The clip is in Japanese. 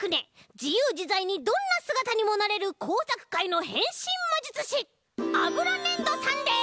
じゆうじざいにどんなすがたにもなれるこうさくかいのへんしんまじゅつしあぶらねんどさんです！